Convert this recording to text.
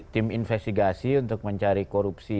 tim investigasi untuk mencari korupsi